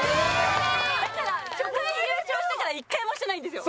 だから初回優勝してから１回もしてないんですよ。